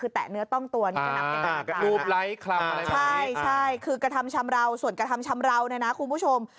แนวต้องตัวส่วนกระทำชำราวคุณผู้ชม